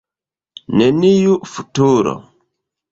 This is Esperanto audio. Neniu futuro.